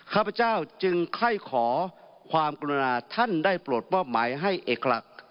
ข้าพเจ้าจึงค่อยขอความกรุณาท่านได้โปรดมอบหมายให้เอกลักษณ์